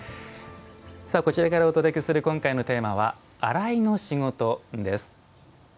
こちらからお届けする今回のテーマは「洗いの仕事」です。